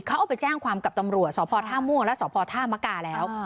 เขาเอาไปแจ้งความกับตำรัวสอบพอร์ท่าม่วงและสอบพอร์ท่ามะกาแล้ว